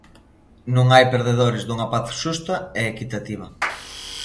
Non hai perdedores dunha paz xusta e equitativa.